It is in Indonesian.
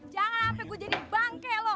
jangan sampai gue jadi bangke loh